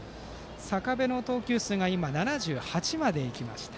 坂部の投球数が７８までいきました。